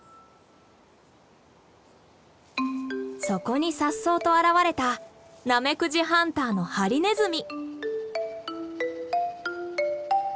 そこに颯爽と現れたナメクジハンターのハリネズミ。